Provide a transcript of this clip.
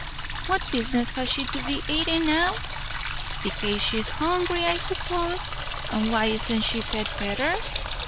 "What business has she to be atin' now?" "Bekase she's hungry, I suppose; and why isn't she fed betther?"